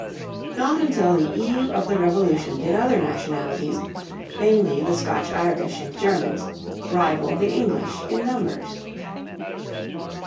Not until the eve of the Revolution did other nationalities, mainly the Scotch Irish and Germans, rival the English in numbers.